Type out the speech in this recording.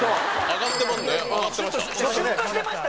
上がってました。